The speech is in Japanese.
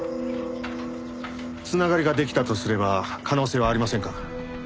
繋がりができたとすれば可能性はありませんか？